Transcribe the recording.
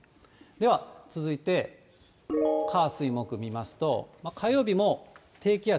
では、続いて、火、水、木見ますと、火曜日も低気圧。